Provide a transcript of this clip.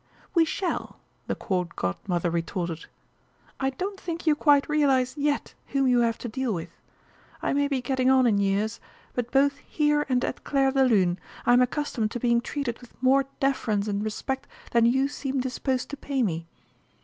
"We shall," the Court Godmother retorted. "I don't think you quite realise yet whom you have to deal with. I may be getting on in years, but both here and at Clairdelune I am accustomed to being treated with more deference and respect than you seem disposed to pay me.